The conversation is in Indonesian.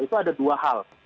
itu ada dua hal